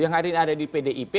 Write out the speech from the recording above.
yang ada di pdip